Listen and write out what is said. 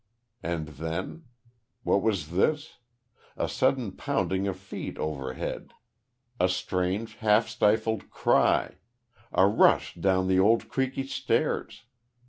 And then? What was this? A sudden pounding of feet overhead a strange, half stifled cry a rush down the old creaky stairs.